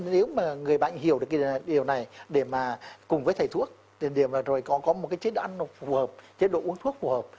nếu mà người bệnh hiểu được điều này để mà cùng với thầy thuốc để mà rồi có một cái chế độ ăn phù hợp chế độ uống thuốc phù hợp